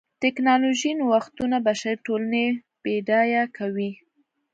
ټکنالوژیکي نوښتونه بشري ټولنې بډایه کوي.